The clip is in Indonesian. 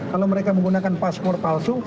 kita bisa menggunakan paspor palsu